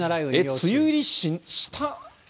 梅雨入りした？